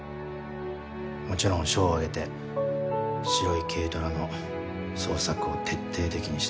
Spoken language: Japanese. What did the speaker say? もちろん署を挙げて白い軽トラの捜索を徹底的にした。